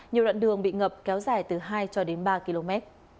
nhiều đoạn đường bị ngập kéo dài từ hai ba km